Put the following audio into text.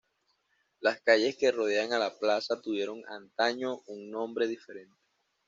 Las calles que rodean a la plaza tuvieron antaño un nombre diferente.